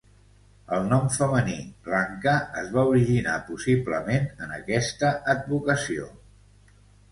El nom femení Blanca es va originar possiblement en aquesta advocació.